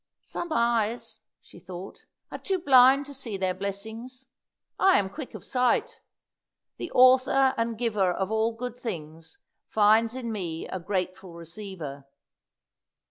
"Some eyes," she thought, "are too blind to see their blessings; I am quick of sight. The Author and Giver of all good things finds in me a grateful receiver."